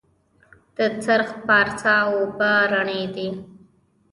د سرخ پارسا اوبه رڼې دي